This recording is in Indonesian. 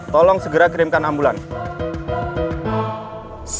tolong segera kirimkan ambulans